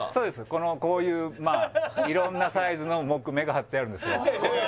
このこういうまあ色んなサイズの木目がはってあるんですよ